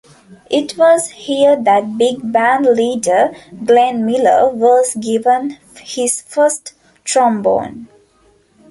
It was here that big band leader Glenn Miller was given his first trombone.